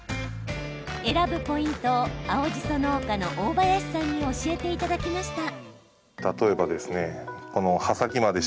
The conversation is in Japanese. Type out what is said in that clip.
選ぶポイントを青じそ農家の大林さんに教えていただきました。